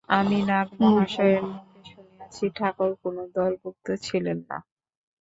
আমি নাগ-মহাশয়ের মুখে শুনিয়াছি, ঠাকুর কোন দলভুক্ত ছিলেন না।